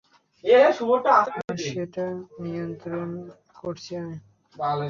আর সেটা নিয়ন্ত্রণ করছি আমি।